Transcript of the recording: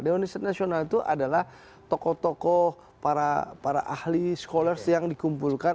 dewan riset nasional itu adalah tokoh tokoh para ahli scholars yang dikumpulkan